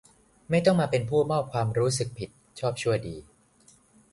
ไม่ต้องมาเป็นผู้มอบความรู้สึกผิดชอบชั่วดี